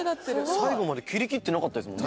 最後まで切りきってなかったですもん。